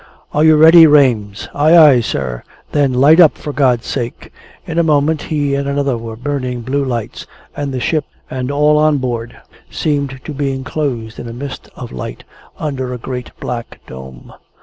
"Are you ready, Rames?" "Ay, ay, sir!" "Then light up, for God's sake!" In a moment he and another were burning blue lights, and the ship and all on board seemed to be enclosed in a mist of light, under a great black dome.